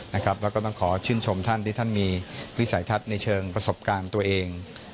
แล้วก็ต้องขอชื่นชมท่านที่ท่านมีวิสัยทัศน์ในเชิงประสบการณ์ตัวเอง